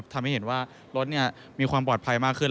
ทำให้เห็นว่ารถมีความปลอดภัยมากขึ้น